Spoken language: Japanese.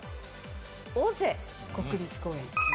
尾瀬国立公園。